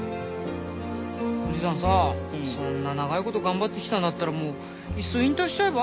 おじいさんさそんな長いこと頑張ってきたんだったらもういっそ引退しちゃえば？